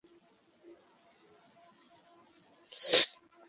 এই Miss universe.